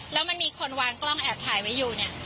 แล้วมันมีคนวางกล้องแอบถ่ายไว้อยู่เนี่ย